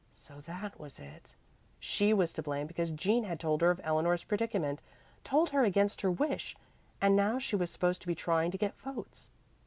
So that was it! She was to blame because Jean had told her of Eleanor's predicament told her against her wish. And now she was supposed to be trying to get votes.